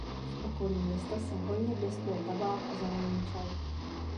V okolí města se hojně pěstuje tabák a zelený čaj.